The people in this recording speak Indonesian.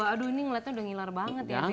aduh ini ngeliatnya udah ngiler banget ya habib ya